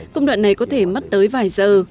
công đoạn này có thể mất tới vài giờ